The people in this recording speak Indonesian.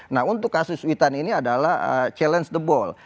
nah untuk kasus cuitan ini adalah challenge the boll